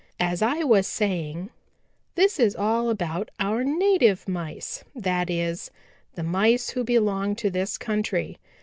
"As I was saying, this is all about our native Mice; that is, the Mice who belong to this country.